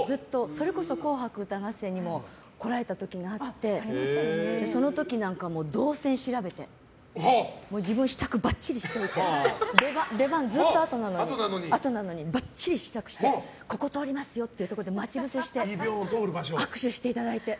それこそ「紅白歌合戦」にも来られた時があってその時なんか動線を調べて自分の支度をばっちりしておいて出番、ずっとあとなのにばっちり支度してここ通りますよってところで待ち伏せして握手していただいて。